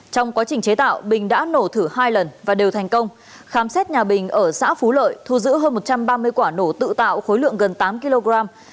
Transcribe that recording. trong quá trình chế tạo bình đã nổ thử hai lần và đều thành công khám xét nhà bình ở xã phú lợi thu giữ hơn một trăm ba mươi quả nổ tự tạo khối lượng gần tám kg